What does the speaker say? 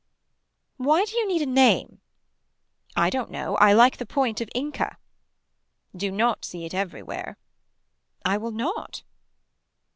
Why do you need a name. I don't know. I like the point of Inca. Do not see it everywhere. I will not.